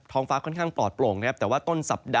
ทองฟ้าค่อนข้างปลอดโปร่งนะครับ